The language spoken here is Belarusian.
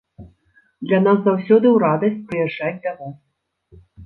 Для нас заўсёды ў радасць прыязджаць да вас.